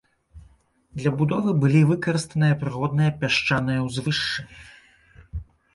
Для будовы былі выкарыстаныя прыродныя пясчаныя ўзвышшы.